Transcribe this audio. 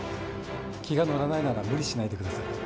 気が乗らないなら無理しないでください。